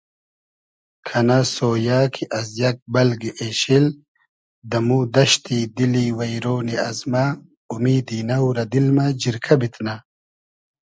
کئنۂ سۉیۂ کی از یئگ بئلگی اېشیل دئمو دئشتی دیلی وݷرۉنی ازمۂ اومیدی نۆ رۂ دیل مۂ جیرکۂ بیتنۂ